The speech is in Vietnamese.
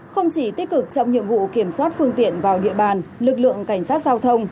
không chỉ tích cực trong nhiệm vụ kiểm soát phương tiện vào địa bàn lực lượng cảnh sát giao thông